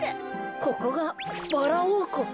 ここがバラおうこく。